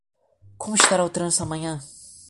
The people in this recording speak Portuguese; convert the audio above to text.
Como estará o trânsito amanhã?